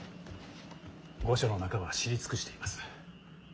御所の中は知り尽くしています。